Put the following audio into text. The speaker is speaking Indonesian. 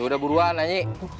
yaudah buruan nyanyi